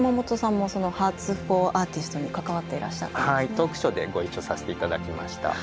トークショーでご一緒させて頂きました。